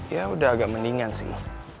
ya udah agak mendingan sih